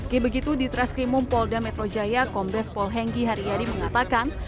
seperti begitu di tres krimum polda metro jaya kombes pol henggi hariari mengatakan